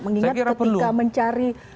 mengingat ketika mencari